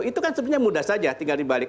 itu kan sebenarnya mudah saja tinggal dibalik